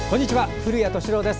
古谷敏郎です。